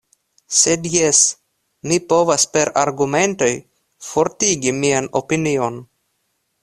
Sed jes, mi povas per argumentoj fortigi mian opinion.